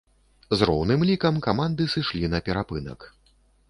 З роўным лікам каманды сышлі на перапынак.